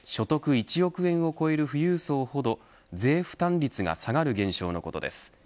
１億円を超える富裕層ほど税負担率が下がる現象のことです。